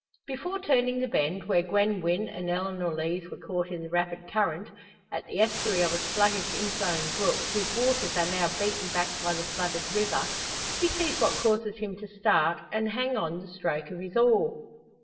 Before turning the bend, where Gwen Wynn and Eleanor Lees were caught in the rapid current, at the estuary of a sluggish inflowing brook, whose waters are now beaten back by the flooded river, he sees what causes him to start, and hang on the stroke of his oar.